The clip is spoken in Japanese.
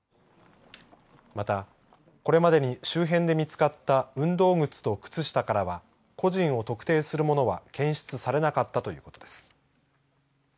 また、これまでに周辺で見つかった運動靴と靴下からは個人を特定するものは検出されなかったということです。